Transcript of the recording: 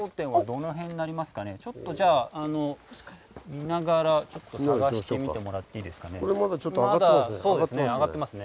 見ながら探してみてもらっていいですかね。